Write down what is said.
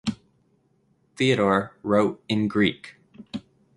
Theodore wrote in Greek.